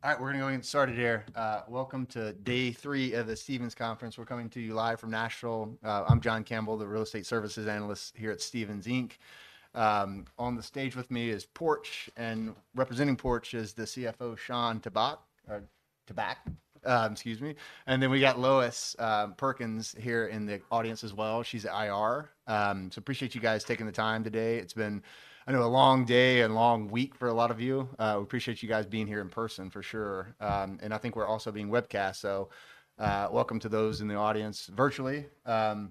All right, we're gonna go ahead and get started here. Welcome to day three of the Stephens Conference. We're coming to you live from Nashville. I'm John Campbell, the Real Estate Services Analyst here at Stephens Inc. On the stage with me is Porch, and representing Porch is the CFO, Shawn Tabak, or Tabak, excuse me. And then we got Lois Perkins here in the audience as well. She's at IR. So appreciate you guys taking the time today. It's been, I know, a long day and long week for a lot of you. We appreciate you guys being here in person, for sure. And I think we're also being webcast, so welcome to those in the audience virtually. But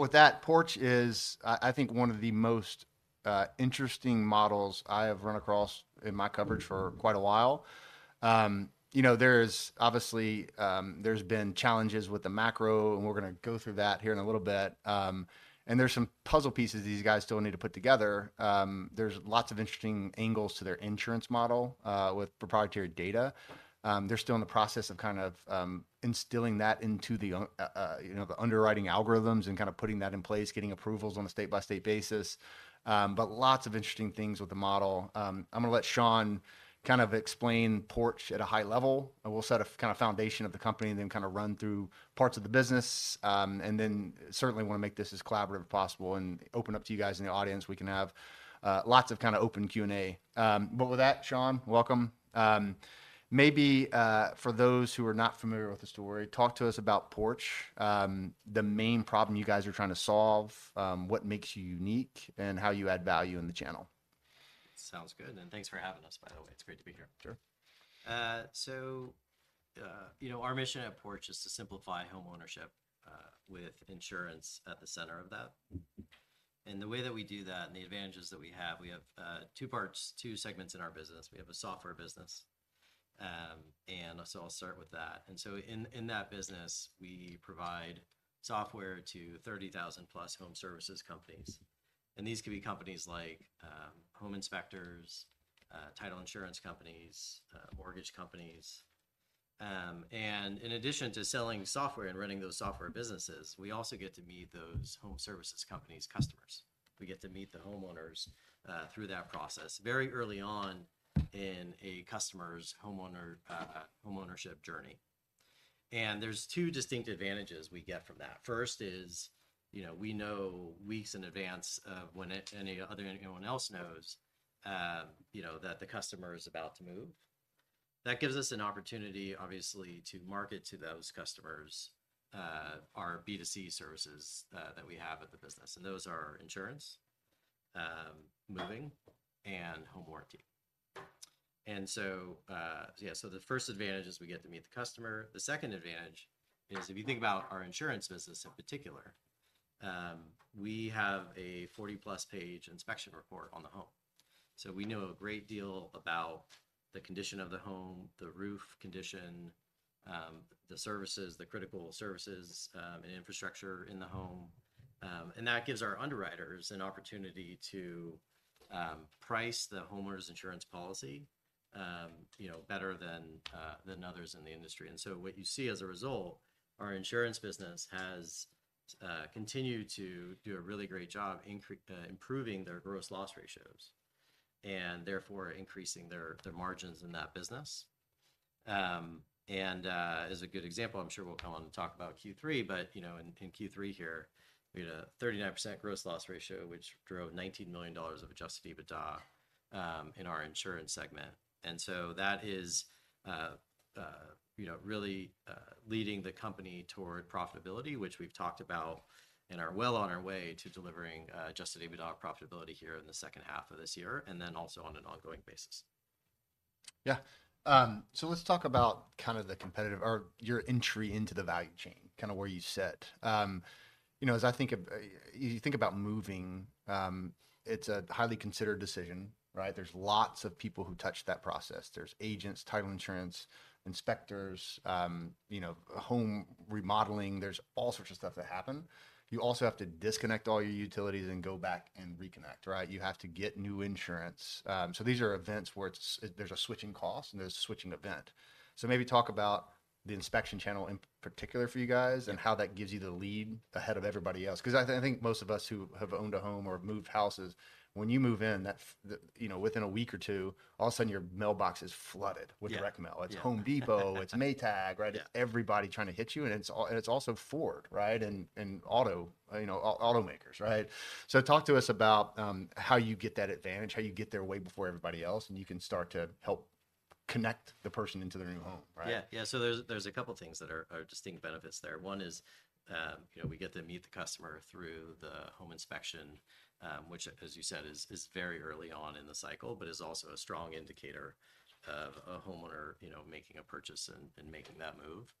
with that, Porch is, I think, one of the most interesting models I have run across in my coverage for quite a while. You know, there's obviously, there's been challenges with the macro, and we're gonna go through that here in a little bit. And there's some puzzle pieces these guys still need to put together. There's lots of interesting angles to their insurance model with proprietary data. They're still in the process of kind of instilling that into you know, the underwriting algorithms and kind of putting that in place, getting approvals on a state-by-state basis. But lots of interesting things with the model. I'm gonna let Shawn kind of explain Porch at a high level, and we'll set a kind of foundation of the company, and then kind of run through parts of the business. And then certainly wanna make this as collaborative as possible, and open up to you guys in the audience. We can have lots of kind of open Q&A. But with that, Shawn, welcome. Maybe for those who are not familiar with the story, talk to us about Porch, the main problem you guys are trying to solve, what makes you unique, and how you add value in the channel. Sounds good, and thanks for having us, by the way. It's great to be here. Sure. So, you know, our mission at Porch is to simplify homeownership, with insurance at the center of that. The way that we do that, and the advantages that we have, we have two parts, two segments in our business. We have a software business, and so I'll start with that. And so in that business, we provide software to 30,000+ home services companies, and these could be companies like home inspectors, title insurance companies, mortgage companies. And in addition to selling software and running those software businesses, we also get to meet those home services companies' customers. We get to meet the homeowners through that process, very early on in a customer's homeownership journey. And there's two distinct advantages we get from that. First is, you know, we know weeks in advance of when anyone else knows, you know, that the customer is about to move. That gives us an opportunity, obviously, to market to those customers, our B2C services that we have at the business, and those are insurance, moving, and home warranty. And so, yeah, so the first advantage is we get to meet the customer. The second advantage is, if you think about our insurance business in particular, we have a 40+ page inspection report on the home. So we know a great deal about the condition of the home, the roof condition, the services, the critical services, and infrastructure in the home. And that gives our underwriters an opportunity to price the homeowner's insurance policy, you know, better than others in the industry. And so what you see as a result, our insurance business has continued to do a really great job improving their gross loss ratios, and therefore increasing their, their margins in that business. And as a good example, I'm sure we'll go on to talk about Q3, but, you know, in Q3 here, we had a 39% gross loss ratio, which drove $19 million of Adjusted EBITDA in our insurance segment. And so that is, you know, really leading the company toward profitability, which we've talked about, and are well on our way to delivering Adjusted EBITDA profitability here in the second half of this year, and then also on an ongoing basis. Yeah. So let's talk about kind of the competitive or your entry into the value chain, kind of where you sit. You know, as I think of, you think about moving, it's a highly considered decision, right? There's lots of people who touch that process. There's agents, title insurance, inspectors, you know, home remodeling. There's all sorts of stuff that happen. You also have to disconnect all your utilities and go back and reconnect, right? You have to get new insurance. So these are events where there's a switching cost, and there's a switching event. So maybe talk about the inspection channel in particular for you guys- Mm.... and how that gives you the lead ahead of everybody else. 'Cause I think most of us who have owned a home or moved houses, when you move in, that, you know, within a week or two, all of a sudden your mailbox is flooded with- Yeah.... direct mail. Yeah. It's Home Depot, it's Maytag, right? Yeah. Everybody trying to hit you, and it's also Ford, right? And auto, you know, automakers, right? So talk to us about how you get that advantage, how you get there way before everybody else, and you can start to help connect the person into their new home, right? Yeah. Yeah, so there's a couple things that are distinct benefits there. One is, you know, we get to meet the customer through the home inspection, which, as you said, is very early on in the cycle, but is also a strong indicator of a homeowner, you know, making a purchase and making that move.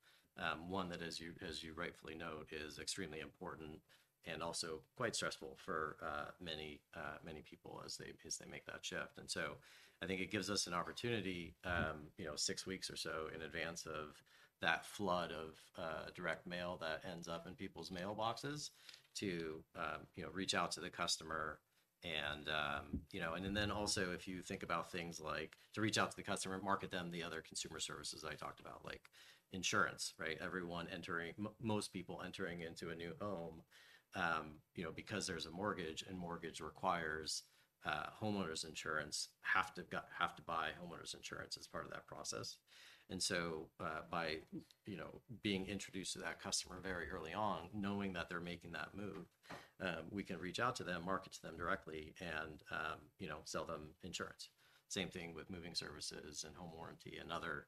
One that, as you rightfully note, is extremely important and also quite stressful for many people as they make that shift. And so I think it gives us an opportunity, you know, six weeks or so in advance of that flood of direct mail that ends up in people's mailboxes, to, you know, reach out to the customer and, you know... And then also, if you think about things like to reach out to the customer and market them the other consumer services I talked about, like insurance, right? Most people entering into a new home, you know, because there's a mortgage, and mortgage requires homeowners insurance, have to buy homeowners insurance as part of that process. And so, by, you know, being introduced to that customer very early on, knowing that they're making that move, we can reach out to them, market to them directly, and, you know, sell them insurance. Same thing with moving services and home warranty, and other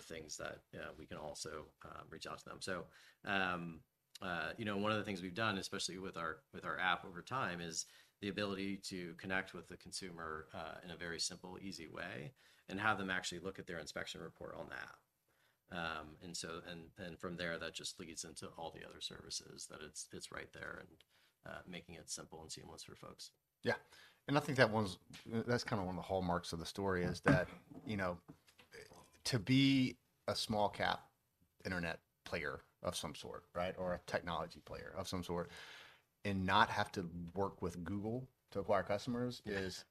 things that we can also reach out to them. So, you know, one of the things we've done, especially with our app over time, is the ability to connect with the consumer in a very simple, easy way, and have them actually look at their inspection report on the app. And so from there, that just leads into all the other services, that it's right there, and making it simple and seamless for folks. Yeah. And I think that's kinda one of the hallmarks of the story, is that, you know, to be a small-cap internet player of some sort, right, or a technology player of some sort, and not have to work with Google to acquire customers is,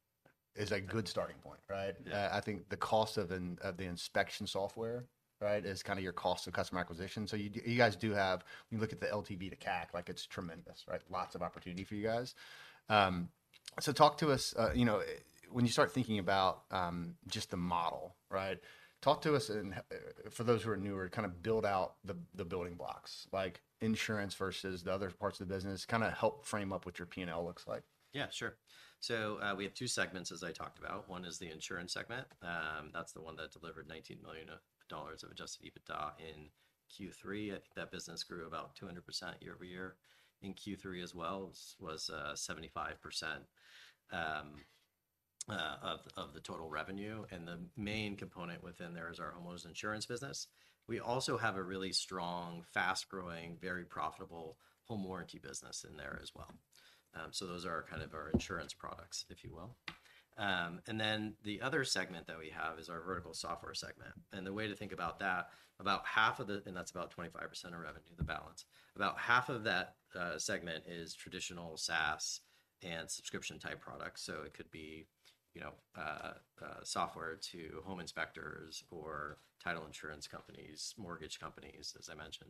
is a good starting point, right? Yeah. I think the cost of the inspection software, right, is kinda your cost of customer acquisition. So you guys do have... You look at the LTV:CAC, like, it's tremendous, right? Lots of opportunity for you guys. So talk to us, you know, when you start thinking about just the model, right? Talk to us, and for those who are newer, kind of build out the building blocks, like insurance versus the other parts of the business. Kinda help frame up what your P&L looks like. Yeah, sure. So, we have two segments, as I talked about. One is the insurance segment. That's the one that delivered $19 million of Adjusted EBITDA in Q3. I think that business grew about 200% year-over-year. In Q3 as well, it was 75% of the total revenue, and the main component within there is our homeowners insurance business. We also have a really strong, fast-growing, very profitable home warranty business in there as well. So those are kind of our insurance products, if you will. And then the other segment that we have is our vertical software segment, and the way to think about that, about half of the... And that's about 25% of revenue, the balance. About half of that segment is traditional SaaS and subscription-type products, so it could be, you know, software to home inspectors or title insurance companies, mortgage companies, as I mentioned.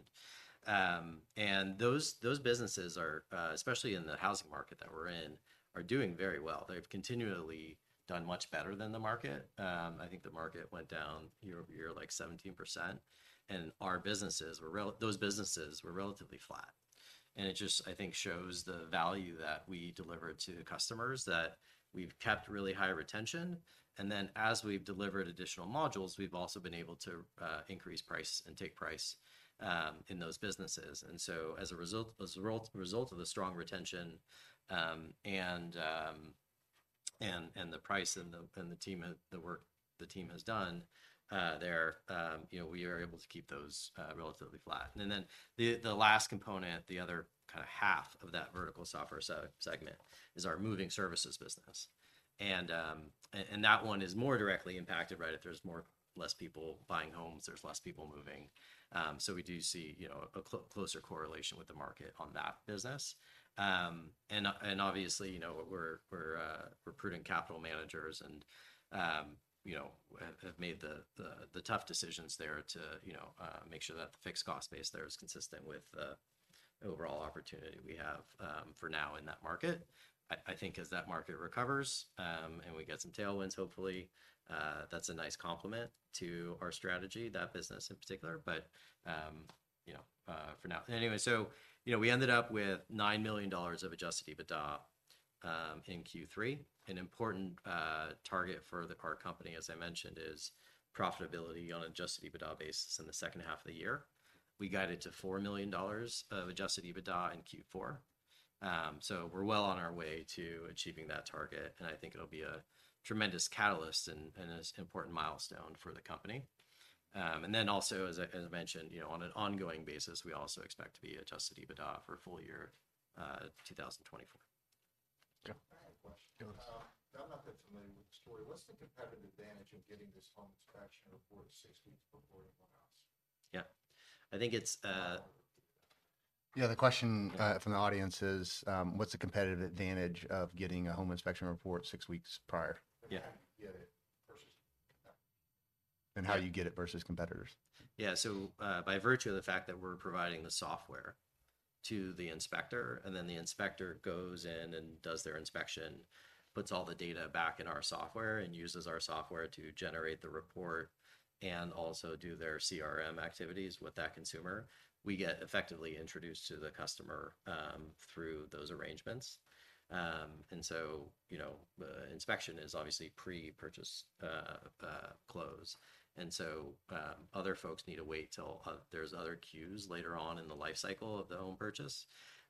And those, those businesses are, especially in the housing market that we're in, doing very well. They've continually done much better than the market. I think the market went down year-over-year, like 17%, and our businesses were those businesses were relatively flat. And it just, I think, shows the value that we deliver to the customers, that we've kept really high retention, and then as we've delivered additional modules, we've also been able to increase price and take price in those businesses. As a result of the strong retention and the pricing and the work the team has done, you know, we are able to keep those relatively flat. And then, the last component, the other kind of half of that vertical software segment, is our moving services business, and that one is more directly impacted, right? If there's less people buying homes, there's less people moving. So we do see, you know, a closer correlation with the market on that business. And obviously, you know, we're prudent capital managers, and, you know, have made the tough decisions there to, you know, make sure that the fixed cost base there is consistent with the overall opportunity we have, for now in that market. I think as that market recovers, and we get some tailwinds, hopefully, that's a nice complement to our strategy, that business in particular. But, you know, for now... Anyway, so, you know, we ended up with $9 million of Adjusted EBITDA in Q3. An important target for our company, as I mentioned, is profitability on an Adjusted EBITDA basis in the second half of the year. We guided to $4 million of Adjusted EBITDA in Q4. So, we're well on our way to achieving that target, and I think it'll be a tremendous catalyst and, and an important milestone for the company. And then also, as I mentioned, you know, on an ongoing basis, we also expect to be Adjusted EBITDA for full year 2024. Yeah. I have a question. Yeah. I'm not that familiar with the story. What's the competitive advantage of getting this home inspection report six weeks. Yeah. I think it's- Yeah, the question- Yeah.... from the audience is: What's the competitive advantage of getting a home inspection report six weeks prior? Yeah. How you get it versus competitors? Yeah, so, by virtue of the fact that we're providing the software to the inspector, and then the inspector goes in and does their inspection, puts all the data back in our software, and uses our software to generate the report and also do their CRM activities with that consumer, we get effectively introduced to the customer through those arrangements. And so, you know, the inspection is obviously pre-purchase close, and so, other folks need to wait till there's other cues later on in the life cycle of the home purchase.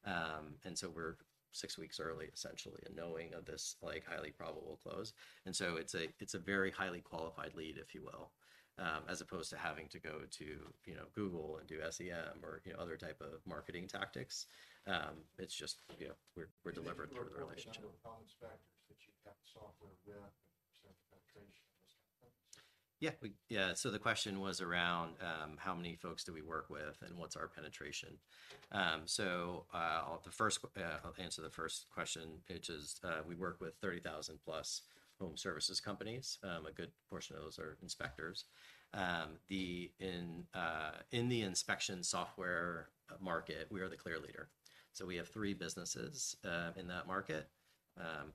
And so we're six weeks early, essentially, in knowing of this, like, highly probable close. And so it's a very highly qualified lead, if you will, as opposed to having to go to, you know, Google and do SEM or, you know, other type of marketing tactics. It's just, you know, we're delivered through the relationship. Yeah, yeah, so the question was around how many folks do we work with, and what's our penetration? So, I'll answer the first question, which is, we work with 30,000+ home services companies. A good portion of those are inspectors. In the inspection software market, we are the clear leader. So we have three businesses in that market,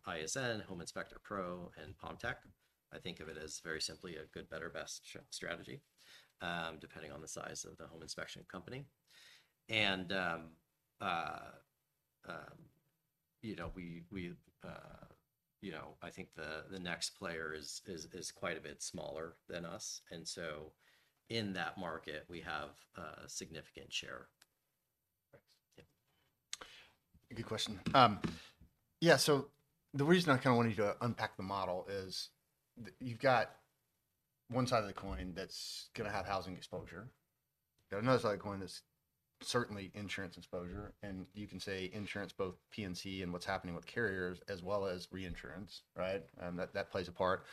ISN, Home Inspector Pro, and Palmtech. I think of it as very simply a good, better, best strategy, depending on the size of the home inspection company. And, you know, we you know, I think the next player is quite a bit smaller than us, and so in that market, we have significant share. Thanks. Yeah. Good question. Yeah, so the reason I kinda wanted you to unpack the model is you've got one side of the coin that's gonna have housing exposure. You got another side of the coin that's certainly insurance exposure, and you can say insurance, both P&C and what's happening with carriers, as well as reinsurance, right? And that, that plays a part.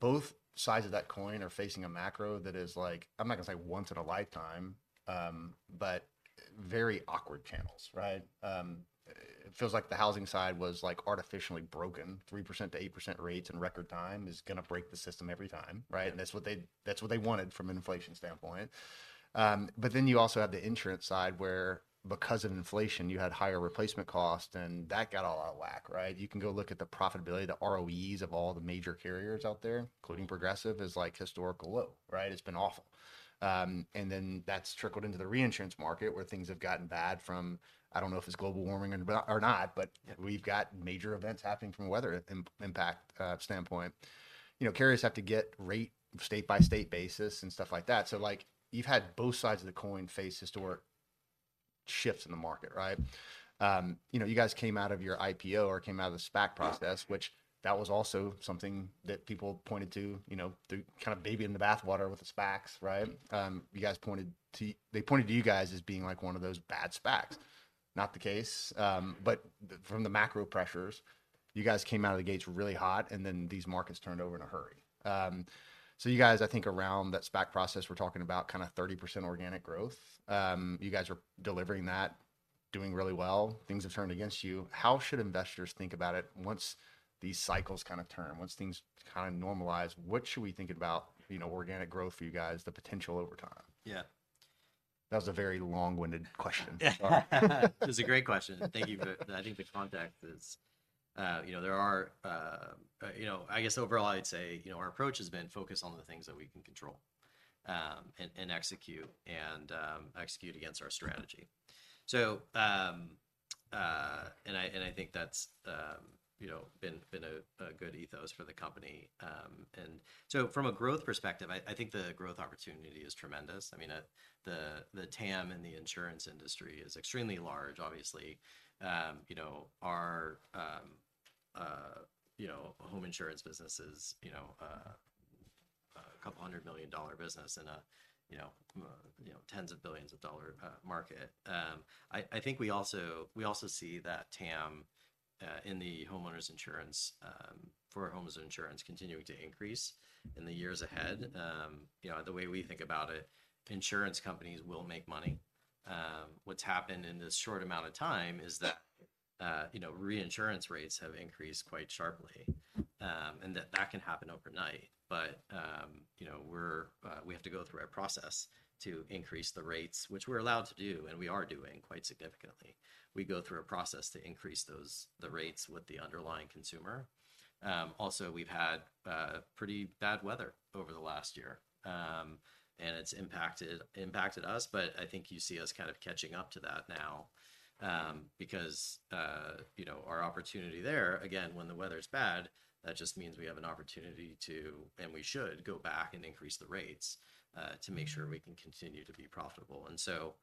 Both sides of that coin are facing a macro that is like, I'm not gonna say once in a lifetime, but very awkward channels, right? It feels like the housing side was, like, artificially broken. 3%-8% rates in record time is gonna break the system every time, right? Yeah. And that's what they wanted from an inflation standpoint. But then you also have the insurance side, where because of inflation, you had higher replacement costs, and that got all out of whack, right? You can go look at the profitability, the ROEs of all the major carriers out there, including Progressive, is, like, historical low, right? It's been awful. And then that's trickled into the reinsurance market, where things have gotten bad from, I don't know if it's global warming or not, but we've got major events happening from a weather impact standpoint. You know, carriers have to get rate state-by-state basis and stuff like that, so, like, you've had both sides of the coin face historic shifts in the market, right? You know, you guys came out of your IPO or came out of the SPAC process- Yeah.... which was also something that people pointed to, you know, the kind of baby in the bathwater with the SPACs, right? They pointed to you guys as being, like, one of those bad SPACs. Not the case, but from the macro pressures, you guys came out of the gates really hot, and then these markets turned over in a hurry. So you guys, I think, around that SPAC process, were talking about kind of 30% organic growth. You guys are delivering that, doing really well. Things have turned against you. How should investors think about it once these cycles kind of turn? Once things kind of normalize, what should we think about, you know, organic growth for you guys, the potential over time? Yeah. That was a very long-winded question. It's a great question. Thank you for... I think the context is, you know, there are, you know... I guess overall, I'd say, you know, our approach has been focused on the things that we can control, and execute, and execute against our strategy. So, and I think that's, you know, been a good ethos for the company. And so from a growth perspective, I think the growth opportunity is tremendous. I mean, the TAM in the insurance industry is extremely large, obviously. You know, our home insurance business is, you know, a $200 million business in a, you know, $10s of billions market. I think we also see that TAM in the homeowners insurance for homeowners insurance continuing to increase in the years ahead. Mm-hmm. You know, the way we think about it, insurance companies will make money. What's happened in this short amount of time is that, you know, reinsurance rates have increased quite sharply, and that can happen overnight. But, you know, we're, we have to go through a process to increase the rates, which we're allowed to do, and we are doing, quite significantly. We go through a process to increase those, the rates with the underlying consumer. Also, we've had, pretty bad weather over the last year, and it's impacted us, but I think you see us kind of catching up to that now. Because, you know, our opportunity there, again, when the weather's bad, that just means we have an opportunity to, and we should, go back and increase the rates. Mm.... to make sure we can continue to be profitable. And so,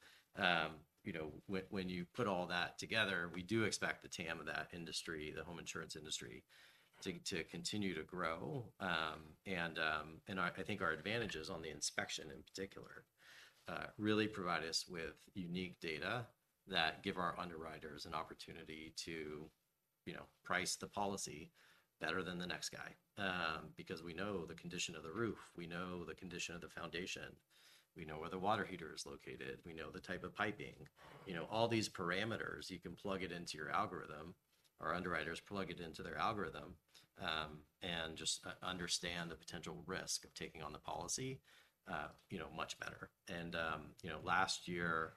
you know, when you put all that together, we do expect the TAM of that industry, the home insurance industry, to continue to grow. And I think our advantages on the inspection, in particular, really provide us with unique data that give our underwriters an opportunity to, you know, price the policy better than the next guy. Because we know the condition of the roof, we know the condition of the foundation, we know where the water heater is located, we know the type of piping. You know, all these parameters, you can plug it into your algorithm, our underwriters plug it into their algorithm, and just understand the potential risk of taking on the policy, you know, much better. You know, last year,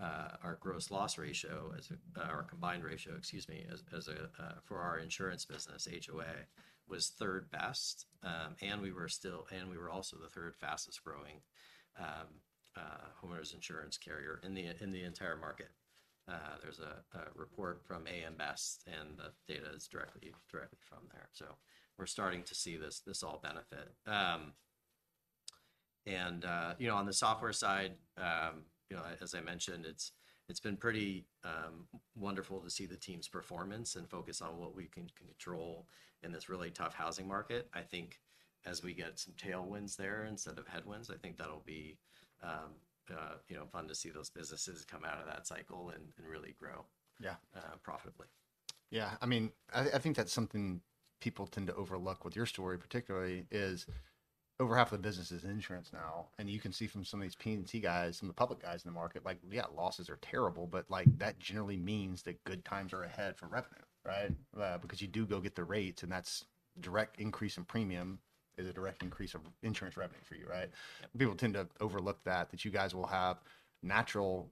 our gross loss ratio—our combined ratio, excuse me—for our insurance business, HOA, was third best. And we were also the third fastest growing homeowners insurance carrier in the entire market. There's a report from AM Best, and the data is directly from there, so we're starting to see this all benefit. You know, on the software side, you know, as I mentioned, it's been pretty wonderful to see the team's performance and focus on what we can control in this really tough housing market. I think as we get some tailwinds there instead of headwinds, I think that'll be, you know, fun to see those businesses come out of that cycle and really grow- Yeah.... profitably. Yeah, I mean, I, I think that's something people tend to overlook with your story, particularly, is over half of the business is insurance now. And you can see from some of these P&C guys, some of the public guys in the market, like, yeah, losses are terrible, but, like, that generally means that good times are ahead for revenue, right? Because you do go get the rates, and that's direct increase in premium, is a direct increase of insurance revenue for you, right? People tend to overlook that, that you guys will have natural-...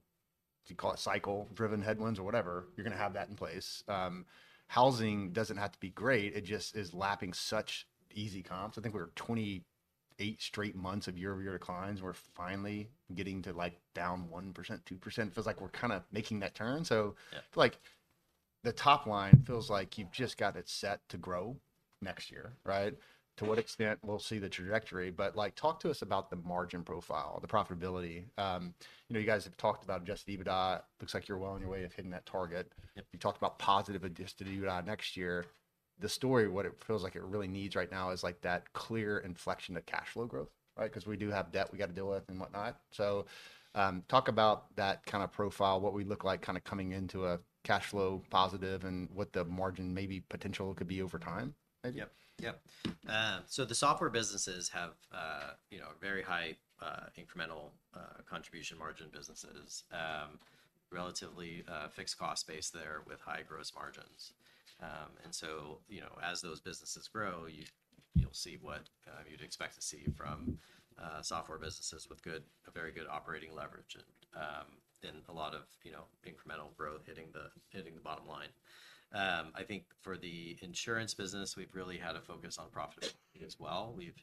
do you call it cycle-driven headwinds or whatever, you're gonna have that in place. Housing doesn't have to be great, it just is lapping such easy comps. I think we're at 28 straight months of year-over-year declines. We're finally getting to, like, down 1%-2%. Feels like we're kinda making that turn, so. Yeah. Like, the top line feels like you've just got it set to grow next year, right? To what extent, we'll see the trajectory, but like, talk to us about the margin profile, the profitability. You know, you guys have talked about Adjusted EBITDA. Looks like you're well on your way of hitting that target. Yep. You talked about positive adjusted EBITDA next year. The story, what it feels like it really needs right now is, like, that clear inflection to cash flow growth, right? 'Cause we do have debt we gotta deal with and whatnot. So, talk about that kind of profile, what we look like kinda coming into a cash flow positive, and what the margin maybe potential could be over time, maybe? Yep, yep. So the software businesses have, you know, very high, incremental, contribution margin businesses. Relatively, fixed cost base there with high gross margins. And so, you know, as those businesses grow, you, you'll see what, you'd expect to see from, software businesses with a very good operating leverage, and, and a lot of, you know, incremental growth hitting the bottom line. I think for the insurance business, we've really had a focus on profitability as well. We've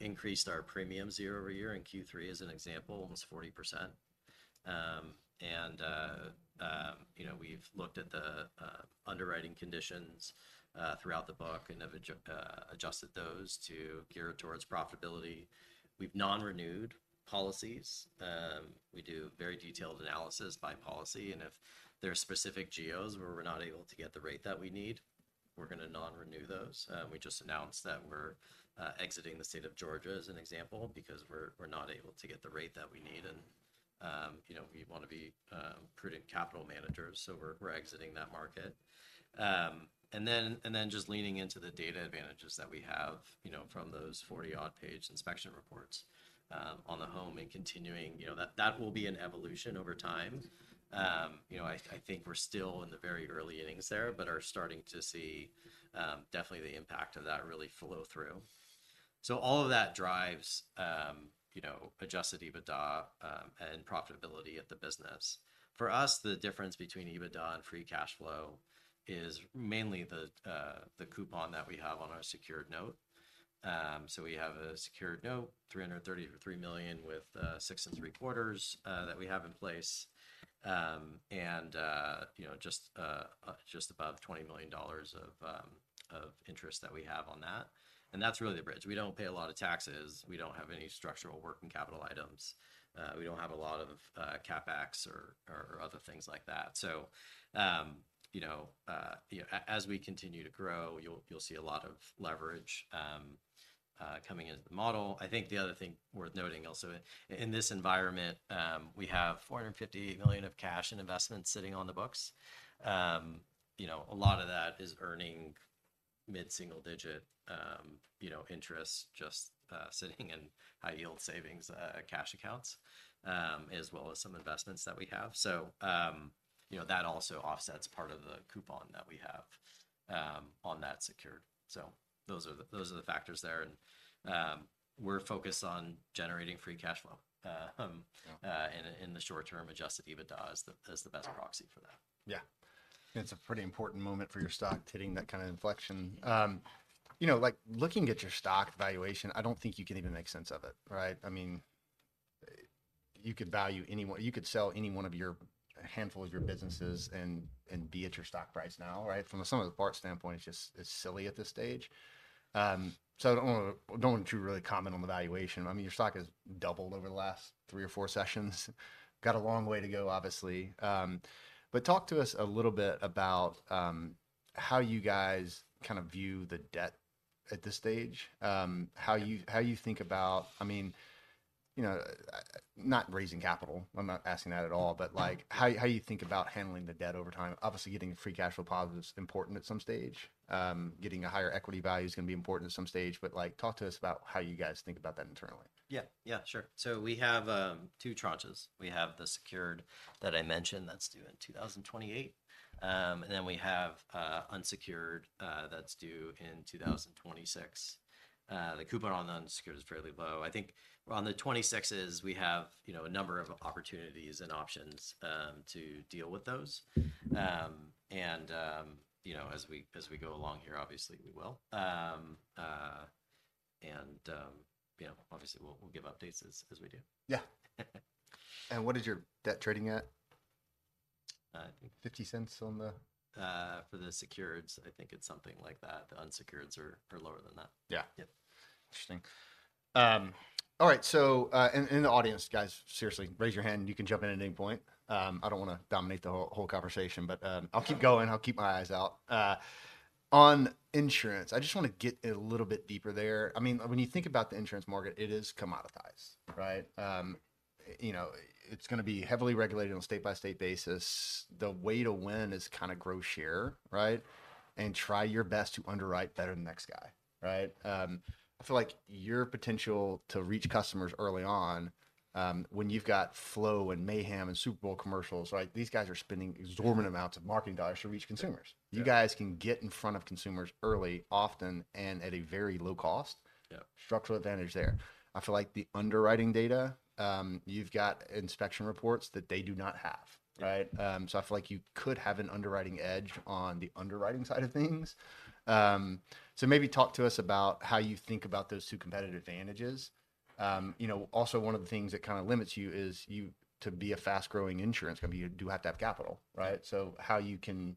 increased our premiums year-over-year, in Q3 as an example, almost 40%. And, you know, we've looked at the, underwriting conditions, throughout the book and have adjusted those to gear towards profitability. We've non-renewed policies. We do very detailed analysis by policy, and if there are specific geos where we're not able to get the rate that we need, we're gonna non-renew those. We just announced that we're exiting the state of Georgia, as an example, because we're not able to get the rate that we need, and you know, we wanna be prudent capital managers, so we're exiting that market. And then just leaning into the data advantages that we have, you know, from those 40-odd page inspection reports on the home and continuing... You know, that will be an evolution over time. You know, I think we're still in the very early innings there, but are starting to see definitely the impact of that really flow through. So all of that drives, you know, Adjusted EBITDA, and profitability of the business. For us, the difference between EBITDA and free cash flow is mainly the, the coupon that we have on our secured note. So we have a secured note, $333 million with 6.75%, that we have in place. And you know, just above $20 million of interest that we have on that, and that's really the bridge. We don't pay a lot of taxes. We don't have any structural working capital items. We don't have a lot of CapEx or other things like that. So, you know, you know, as we continue to grow, you'll, you'll see a lot of leverage, coming into the model. I think the other thing worth noting also, in this environment, we have $450 million of cash and investments sitting on the books. You know, a lot of that is earning mid-single-digit, you know, interest, just, sitting in high-yield savings, cash accounts, as well as some investments that we have. So, you know, that also offsets part of the coupon that we have, on that secured. So those are the, those are the factors there, and, we're focused on generating free cash flow. Yeah.... in the short term, Adjusted EBITDA as the best proxy for that. Yeah. It's a pretty important moment for your stock, hitting that kind of inflection. You know, like, looking at your stock valuation, I don't think you can even make sense of it, right? I mean, you could value anyone, you could sell any one of your handful of your businesses and be at your stock price now, right? From a sum of the parts standpoint, it's just, it's silly at this stage. So I don't want to, don't want you to really comment on the valuation. I mean, your stock has doubled over the last three or four sessions. Got a long way to go, obviously. But talk to us a little bit about, how you guys kind of view the debt at this stage. How you think about... I mean, you know, not raising capital, I'm not asking that at all. But, like, how you think about handling the debt over time? Obviously, getting a free cash flow positive is important at some stage. Getting a higher equity value is gonna be important at some stage. But, like, talk to us about how you guys think about that internally. Yeah, yeah, sure. So we have two tranches. We have the secured that I mentioned, that's due in 2028. And then we have unsecured that's due in 2026. The coupon on the unsecured is fairly low. I think on the 26's, we have, you know, a number of opportunities and options to deal with those. And, you know, obviously, we will. And, you know, obviously, we'll give updates as we do. Yeah. And what is your debt trading at? I think. $0.50 on the- For the secureds, I think it's something like that. The unsecureds are lower than that. Yeah. Yeah. Interesting. All right, so, in the audience, guys, seriously, raise your hand, and you can jump in at any point. I don't wanna dominate the whole conversation, but, I'll keep going, and I'll keep my eyes out. On insurance, I just wanna get a little bit deeper there. I mean, when you think about the insurance market, it is commoditized, right? You know, it's gonna be heavily regulated on a state-by-state basis. The way to win is kind of grow share, right? And try your best to underwrite better than the next guy, right? I feel like your potential to reach customers early on, when you've got Flo and Mayhem, and Super Bowl commercials, right? These guys are spending exorbitant amounts of marketing dollars to reach consumers. Yeah. You guys can get in front of consumers early, often, and at a very low cost. Yeah. Structural advantage there. I feel like the underwriting data, you've got inspection reports that they do not have, right? Yeah. So I feel like you could have an underwriting edge on the underwriting side of things. So maybe talk to us about how you think about those two competitive advantages. You know, also one of the things that kind of limits you is you, to be a fast-growing insurance company, you do have to have capital, right? So how you can,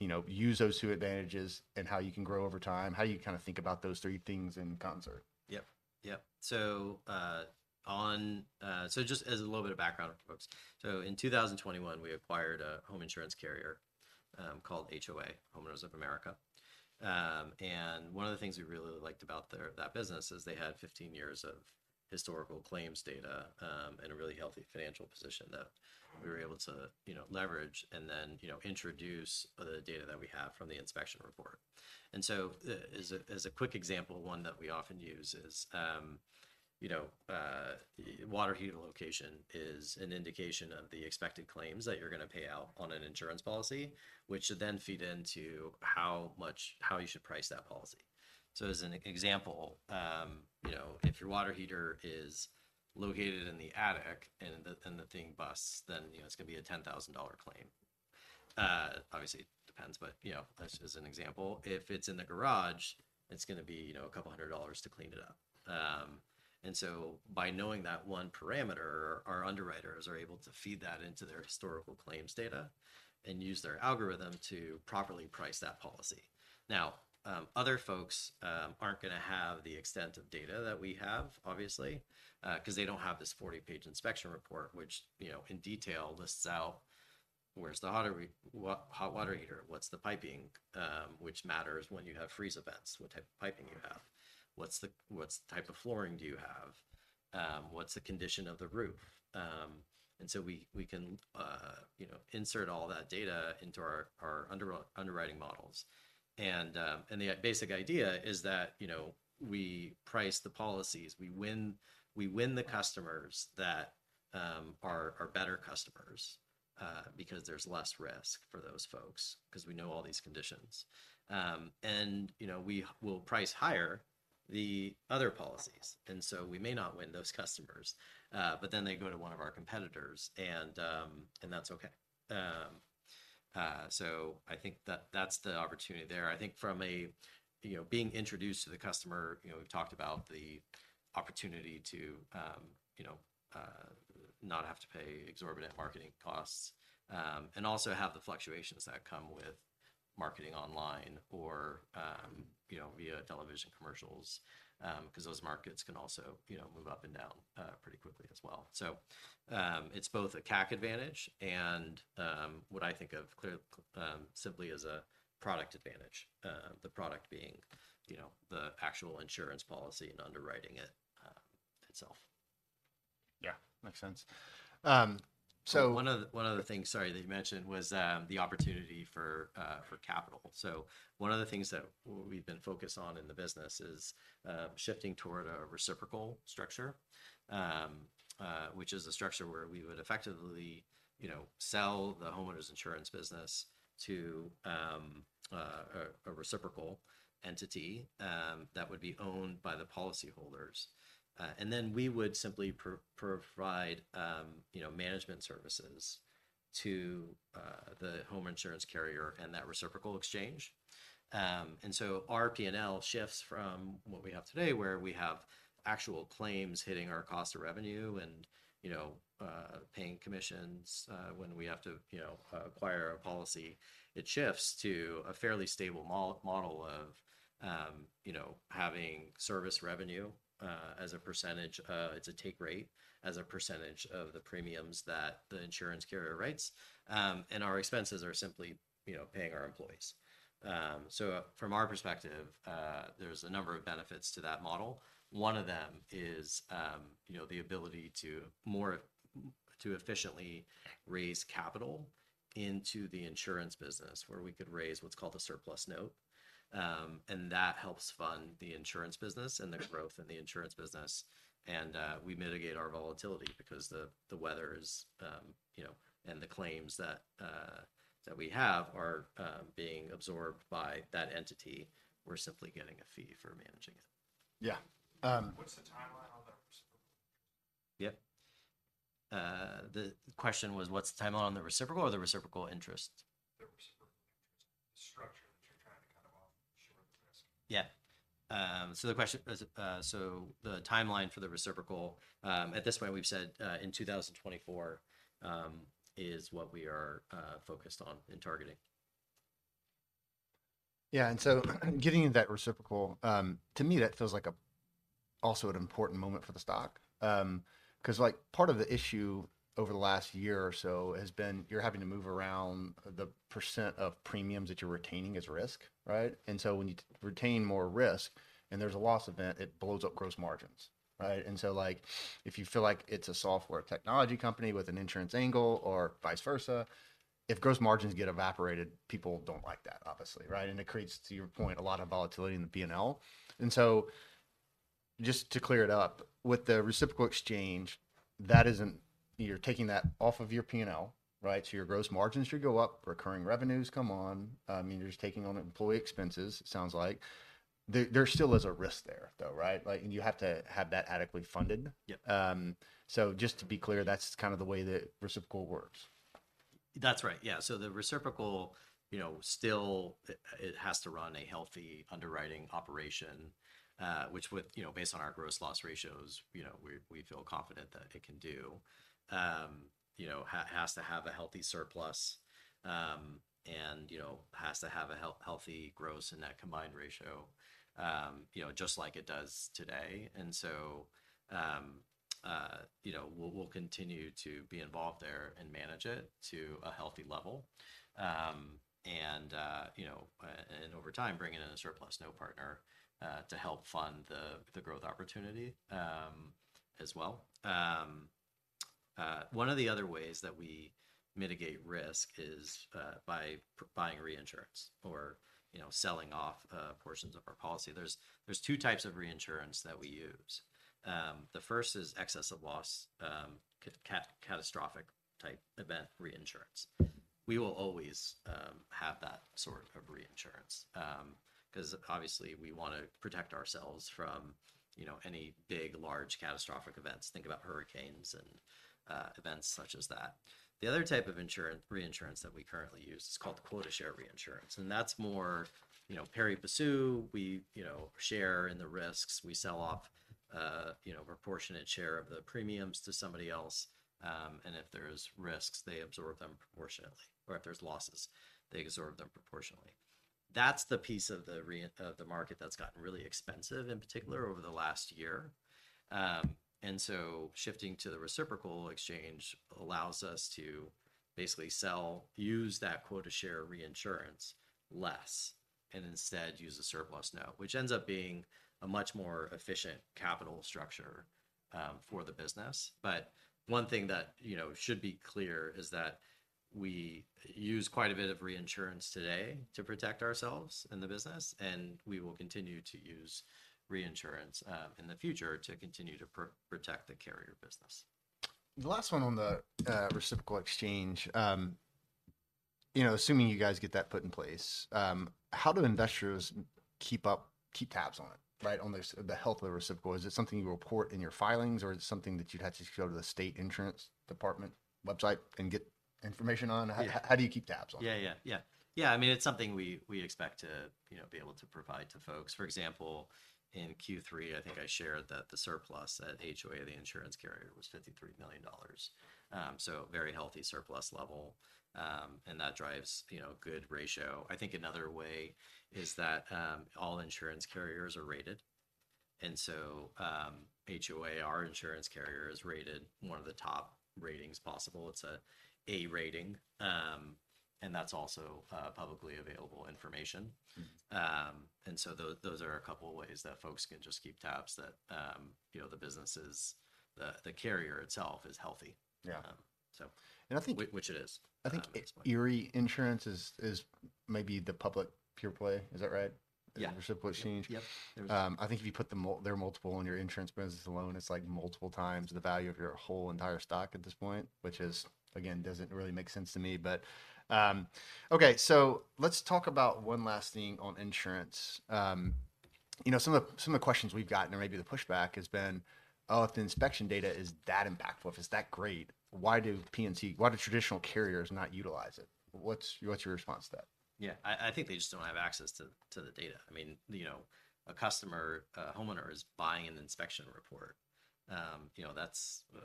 you know, use those two advantages and how you can grow over time, how do you kind of think about those three things in concert? Yep. Yep. So, so just as a little bit of background for folks. So in 2021, we acquired a home insurance carrier, called HOA, Homeowners of America. And one of the things we really liked about their, that business is they had 15 years of historical claims data, and a really healthy financial position that we were able to, you know, leverage and then, you know, introduce the data that we have from the inspection report. And so, as a quick example, one that we often use is, you know, water heater location is an indication of the expected claims that you're gonna pay out on an insurance policy, which should then feed into how much- how you should price that policy. So as an example, you know, if your water heater is located in the attic and the thing busts, then, you know, it's gonna be a $10,000 claim. Obviously, it depends, but, you know, that's just an example. If it's in the garage, it's gonna be, you know, $200 to clean it up. And so by knowing that one parameter, our underwriters are able to feed that into their historical claims data and use their algorithm to properly price that policy. Now, other folks aren't gonna have the extent of data that we have, obviously, 'cause they don't have this 40-page inspection report, which, you know, in detail, lists out where's the hot water heater? What's the piping? Which matters when you have freeze events, what type of piping you have. What's the what type of flooring do you have? What's the condition of the roof? And so we can you know insert all that data into our underwriting models. And the basic idea is that, you know, we price the policies, we win, we win the customers that are better customers because there's less risk for those folks, 'cause we know all these conditions. And you know we will price higher the other policies, and so we may not win those customers, but then they go to one of our competitors, and that's okay. So I think that that's the opportunity there. I think from a, you know, being introduced to the customer, you know, we've talked about the opportunity to, you know, not have to pay exorbitant marketing costs, and also have the fluctuations that come with marketing online or, you know, via television commercials. 'Cause those markets can also, you know, move up and down, pretty quickly as well. So, it's both a CAC advantage, and, what I think of simply as a product advantage. The product being, you know, the actual insurance policy and underwriting it, itself. Yeah, makes sense. So- One other thing, sorry, that you mentioned was the opportunity for capital. So one of the things that we've been focused on in the business is shifting toward a reciprocal structure, which is a structure where we would effectively, you know, sell the homeowners' insurance business to a reciprocal entity that would be owned by the policyholders. And then we would simply provide, you know, management services to the home insurance carrier and that Reciprocal Exchange. And so our P&L shifts from what we have today, where we have actual claims hitting our cost of revenue and, you know, paying commissions when we have to, you know, acquire a policy. It shifts to a fairly stable model of, you know, having service revenue as a percentage. It's a take rate, as a percentage of the premiums that the insurance carrier writes. And our expenses are simply, you know, paying our employees. So from our perspective, there's a number of benefits to that model. One of them is, you know, the ability to more efficiently raise capital into the insurance business, where we could raise what's called a surplus note. And that helps fund the insurance business and the growth in the insurance business. And we mitigate our volatility because the weather is, you know, and the claims that we have are being absorbed by that entity. We're simply getting a fee for managing it. Yeah, um- Yep. The question was, what's the timeline on the reciprocal or the reciprocal interest? Yeah. So the question, so the timeline for the reciprocal, at this point, we've said, in 2024, is what we are focused on in targeting. Yeah, and so getting into that reciprocal, to me, that feels like also an important moment for the stock. 'Cause, like, part of the issue over the last year or so has been you're having to move around the percent of premiums that you're retaining as risk, right? And so when you retain more risk and there's a loss event, it blows up gross margins, right? And so, like, if you feel like it's a software technology company with an insurance angle or vice versa, if gross margins get evaporated, people don't like that, obviously, right? And it creates, to your point, a lot of volatility in the P&L. And so just to clear it up, with the Reciprocal Exchange, that isn't... You're taking that off of your P&L, right? So your gross margins should go up, recurring revenues come on, you're just taking on employee expenses, it sounds like. There still is a risk there, though, right? Like, and you have to have that adequately funded. Yep. So just to be clear, that's kind of the way the reciprocal works?... That's right, yeah. So the reciprocal, you know, still, it, it has to run a healthy underwriting operation, which would, you know, based on our gross loss ratios, you know, we, we feel confident that it can do. You know, has to have a healthy surplus, and, you know, has to have a healthy gross and net combined ratio, you know, just like it does today. And so, you know, we'll continue to be involved there and manage it to a healthy level. And, you know, and over time, bring in a surplus note partner, to help fund the growth opportunity, as well. One of the other ways that we mitigate risk is, by buying reinsurance or, you know, selling off, portions of our policy. There's two types of reinsurance that we use. The first is excess of loss, catastrophic-type event reinsurance. We will always have that sort of reinsurance, 'cause obviously we wanna protect ourselves from, you know, any big, large, catastrophic events. Think about hurricanes and events such as that. The other type of insurance, reinsurance that we currently use is called the quota share reinsurance, and that's more, you know, per risk. We, you know, share in the risks. We sell off, you know, a proportionate share of the premiums to somebody else. And if there's risks, they absorb them proportionately, or if there's losses, they absorb them proportionately. That's the piece of the reinsurance market that's gotten really expensive, in particular, over the last year. And so shifting to the Reciprocal Exchange allows us to basically sell, use that quota share reinsurance less, and instead use a Surplus Note, which ends up being a much more efficient capital structure, for the business. But one thing that, you know, should be clear is that we use quite a bit of reinsurance today to protect ourselves in the business, and we will continue to use reinsurance, in the future to continue to protect the carrier business. The last one on the Reciprocal Exchange. You know, assuming you guys get that put in place, how do investors keep up, keep tabs on it, right, on this, the health of the reciprocal? Is it something you report in your filings, or is it something that you'd have to go to the state insurance department website and get information on? Yeah. How do you keep tabs on it? Yeah, yeah, yeah. Yeah, I mean, it's something we expect to, you know, be able to provide to folks. For example, in Q3, I think I shared that the surplus at HOA, the insurance carrier, was $53 million. So a very healthy surplus level, and that drives, you know, a good ratio. I think another way is that, all insurance carriers are rated, and so, HOA, our insurance carrier, is rated one of the top ratings possible. It's an A rating, and that's also publicly available information. Mm-hmm. And so those are a couple of ways that folks can just keep tabs that, you know, the business is... the carrier itself is healthy. Yeah. Um, so- And I think- Which it is, at this point. I think Erie Insurance is maybe the public pure play. Is that right? Yeah. The Reciprocal Exchange? Yep. There's- I think if you put the multiple on their insurance business alone, it's like multiple times the value of your whole entire stock at this point, which, again, doesn't really make sense to me. But, okay, so let's talk about one last thing on insurance. You know, some of the questions we've gotten, or maybe the pushback, has been, "Oh, if the inspection data is that impactful, if it's that great, why do P&C, why do traditional carriers not utilize it?" What's your response to that? Yeah. I think they just don't have access to the data. I mean, you know, a customer, a homeowner, is buying an inspection report. You know, that's a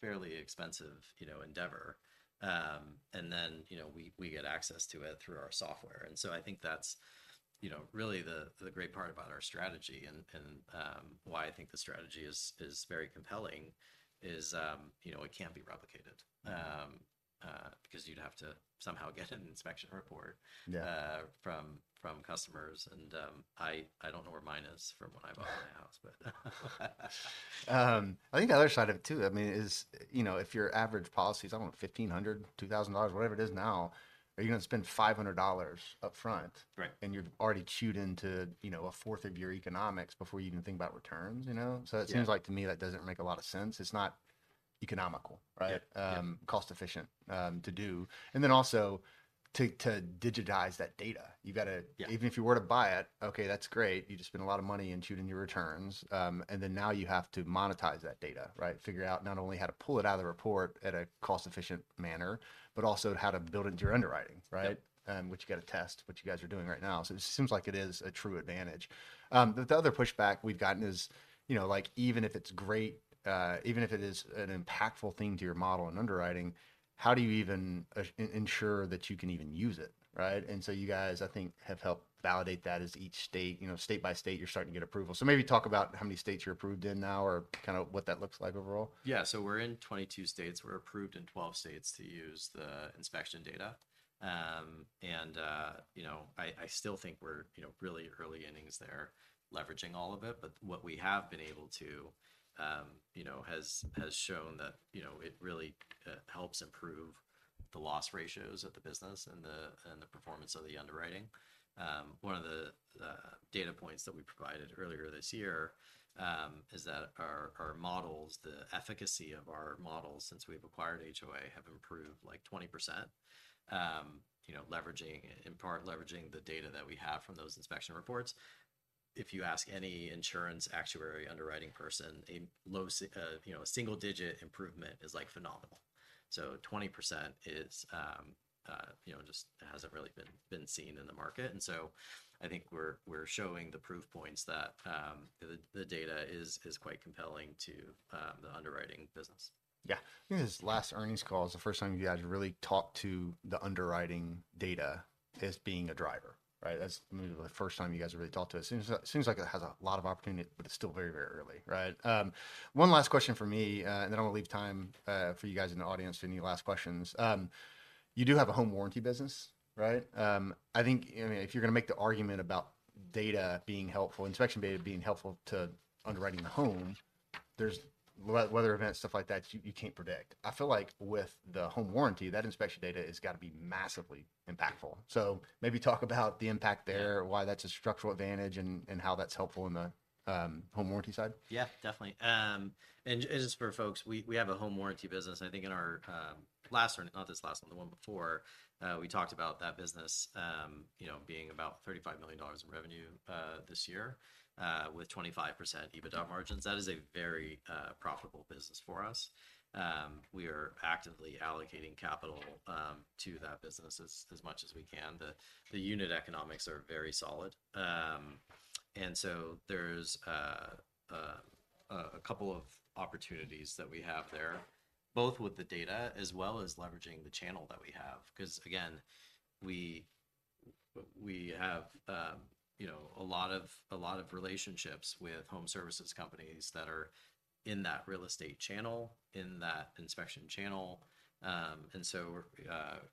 fairly expensive, you know, endeavor. And then, you know, we get access to it through our software, and so I think that's, you know, really the great part about our strategy and why I think the strategy is very compelling, you know, it can't be replicated. Because you'd have to somehow get an inspection report- Yeah.... from customers, and, I don't know where mine is from when I bought my house, but... I think the other side of it, too, I mean, is, you know, if your average policy is, I don't know, $1,500, $2,000, whatever it is now, are you gonna spend $500 upfront? Right. And you've already chewed into, you know, a fourth of your economics before you even think about returns, you know? Yeah. It seems like, to me, that doesn't make a lot of sense. It's not economical, right? Yep. Yep. Cost efficient, to do. And then also, to digitize that data, you've gotta- Yeah.... even if you were to buy it, okay, that's great. You just spent a lot of money and chewed into your returns. And then now you have to monetize that data, right? Figure out not only how to pull it out of the report at a cost-efficient manner, but also how to build it into your underwriting, right? Yep. Which you gotta test, which you guys are doing right now. So it seems like it is a true advantage. The other pushback we've gotten is, you know, like, even if it's great, even if it is an impactful thing to your model in underwriting, how do you even ensure that you can even use it, right? And so you guys, I think, have helped validate that as each state, you know, state by state, you're starting to get approval. So maybe talk about how many states you're approved in now or kind of what that looks like overall. Yeah. So we're in 22 states. We're approved in 12 states to use the inspection data. And you know, I still think we're really early innings there, leveraging all of it. But what we have been able to has shown that it really helps improve the loss ratios of the business and the performance of the underwriting. One of the data points that we provided earlier this year is that our models, the efficacy of our models since we've acquired HOA, have improved, like, 20%. You know, leveraging, in part leveraging the data that we have from those inspection reports. If you ask any insurance actuary, underwriting person, a single-digit improvement is, like, phenomenal. So 20% is, you know, just hasn't really been seen in the market. And so I think we're showing the proof points that the data is quite compelling to the underwriting business. Yeah. I think this last earnings call is the first time you guys really talked to the underwriting data as being a driver, right? That's maybe the first time you guys have really talked to it. Seems like it has a lot of opportunity, but it's still very, very early, right? One last question from me, and then I'm gonna leave time for you guys in the audience to any last questions. You do have a home warranty business, right? I think, I mean, if you're gonna make the argument about data being helpful, inspection data being helpful to underwriting the home, there's weather events, stuff like that, you can't predict. I feel like with the home warranty, that inspection data has gotta be massively impactful. So maybe talk about the impact there, why that's a structural advantage, and how that's helpful in the home warranty side. Yeah, definitely. Just for folks, we have a home warranty business. I think in our last earnings, not this last one, the one before, we talked about that business, you know, being about $35 million in revenue this year with 25% EBITDA margins. That is a very profitable business for us. We are actively allocating capital to that business as much as we can. The unit economics are very solid. And so there's a couple of opportunities that we have there, both with the data as well as leveraging the channel that we have. 'Cause, again, we have you know, a lot of relationships with home services companies that are in that real estate channel, in that inspection channel. So,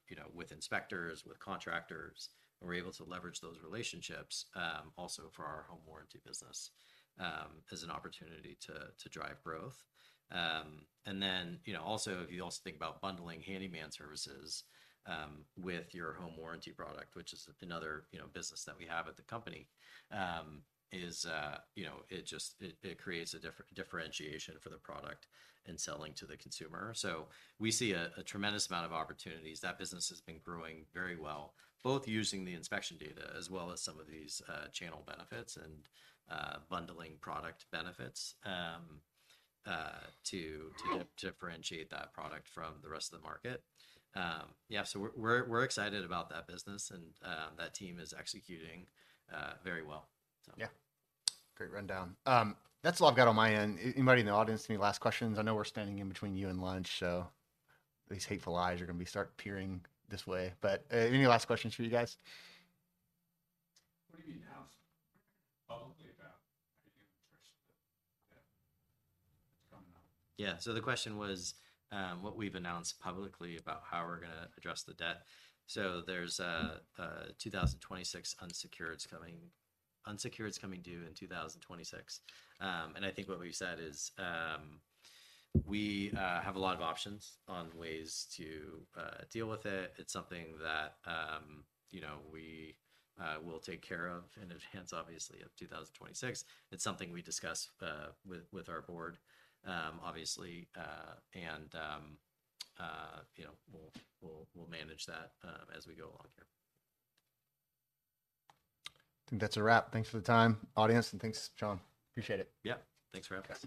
you know, with inspectors, with contractors, we're able to leverage those relationships, also for our home warranty business, as an opportunity to drive growth. Then, you know, also, if you also think about bundling handyman services, with your home warranty product, which is another, you know, business that we have at the company, you know, it just, it creates a differentiation for the product in selling to the consumer. So we see a tremendous amount of opportunities. That business has been growing very well, both using the inspection data as well as some of these channel benefits and bundling product benefits, to differentiate that product from the rest of the market. Yeah, so we're excited about that business, and that team is executing very well. So- Yeah. Great rundown. That's all I've got on my end. Anybody in the audience have any last questions? I know we're standing in between you and lunch, so these hateful eyes are gonna start peering this way. But, any last questions for you guys? Yeah, so the question was, what we've announced publicly about how we're gonna address the debt. So there's a 2026 unsecured coming, unsecured that's coming due in 2026. And I think what we've said is, we have a lot of options on ways to deal with it. It's something that, you know, we will take care of in advance, obviously, of 2026. It's something we discuss with our board, obviously. And, you know, we'll manage that as we go along here. I think that's a wrap. Thanks for the time, audience, and thanks, Shawn. Appreciate it. Yeah. Thanks for having us.